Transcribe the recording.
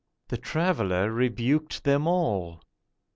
The Traveller rebuked them all.